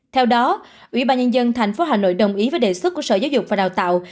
theo đó ủy ban nhân dân tp hà nội đồng ý với đề xuất của sở giáo dục và đào tạo